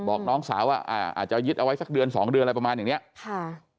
บอกน้องสาวว่าอ่าอาจจะยึดเอาไว้สักเดือนสองเดือนอะไรประมาณอย่างเนี้ยค่ะ